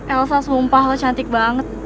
elsa sumpah lo cantik banget